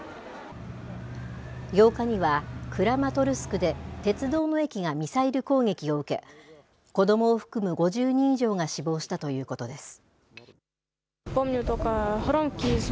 ８日には、クラマトルスクで鉄道の駅がミサイル攻撃を受け、子どもを含む５０人以上が死亡したということです。